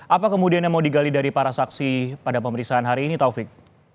apa kemudian yang mau digali dari para saksi pada pemeriksaan hari ini taufik